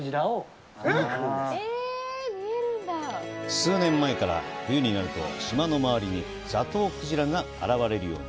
数年前から、冬になると島の周りにザトウクジラが現れるように！